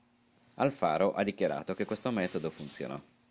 Alfaro ha dichiarato che questo metodo funzionò.